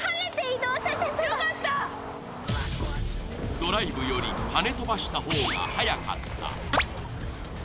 ドライブより跳ね飛ばしたほうが早かった。